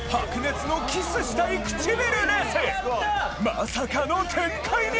まさかの展開に！